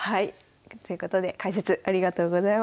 ということで解説ありがとうございました。